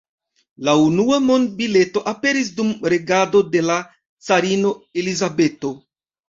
La unua monbileto aperis dum regado de la carino Elizabeto.